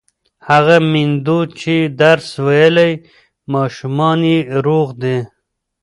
هغه میندو چې درس ویلی، ماشومان یې روغ دي.